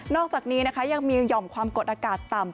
อกจากนี้นะคะยังมีหย่อมความกดอากาศต่ำ